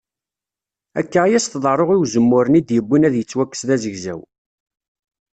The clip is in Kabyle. Akka i as-tḍerru i uzemmur-nni i d-yewwin ad yettwakkes d azegzaw.